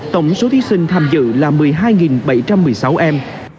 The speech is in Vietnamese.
tổng số thí sinh tham dự là một mươi hai bảy trăm một mươi sáu em